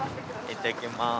行ってきます